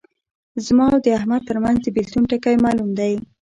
زما او د احمد ترمنځ د بېلتون ټکی معلوم دی.